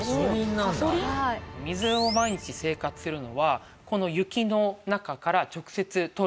水を毎日生活するのはこの雪の中から直接取るんです。